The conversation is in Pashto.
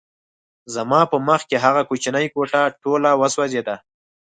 زما په مخکې هغه کوچنۍ کوټه ټوله وسوځېده